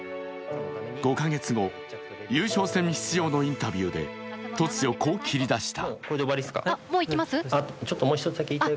５カ月後、優勝戦に出場のインタビューで、突如、こう切り出した。